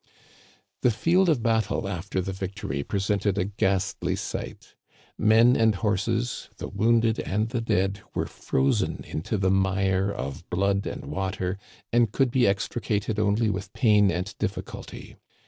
The field of battle after the victory presented a ghastly sight. Men and horses, the wounded and the dead, were frozen into the mire of blood and water, and Digitized by VjOOQIC 2o6 THE CANADIANS OF OLD. could be extricated only with pain and difficulty.